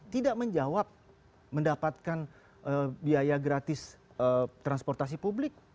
tidak menjawab mendapatkan biaya gratis transportasi publik